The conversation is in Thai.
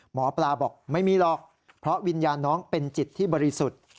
หมอปลาบอกไม่มีหรอกเพราะวิญญาณน้องเป็นจิตที่บริสุทธิ์